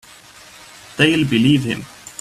They'll believe him.